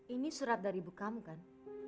ini surat dari ibu kamu kan